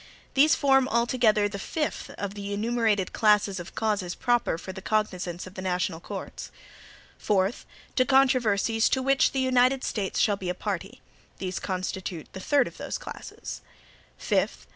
These form, altogether, the fifth of the enumerated classes of causes proper for the cognizance of the national courts. Fourth. To controversies to which the United States shall be a party. These constitute the third of those classes. Fifth.